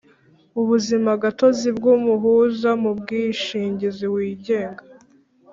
ubuzima gatozi bw’umuhuza mu bwishingizi wigenga